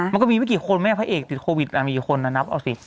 มันก็มีไม่กี่คนแม่พระเอกติดโควิดมีกี่คนนะนับเอาสิ